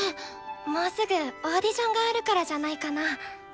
もうすぐオーディションがあるからじゃないかな？